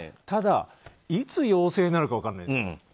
ただ、いつ陽性になるか分からない。